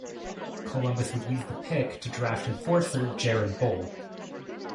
Columbus would use the pick to draft enforcer Jared Boll.